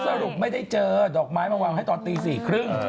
สรุปไม่ได้เจอดอกไม้มาวางให้ตอนตี๔๓๐